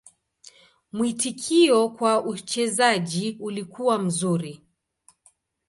Mwitikio kwa uchezaji ulikuwa mzuri.